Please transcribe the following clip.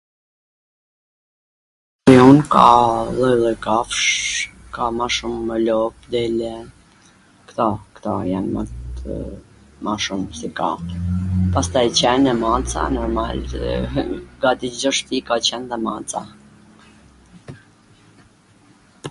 te un ka lloj lloj kafshwsh, ka ma shum lop, dele, kto, kto jan ma tw... ma shum qw ka, pastaj qwn e maca, normal ka, gati Cdo shpi ka qwn dhe maca